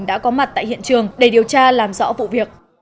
đã có mặt tại hiện trường để điều tra làm rõ vụ việc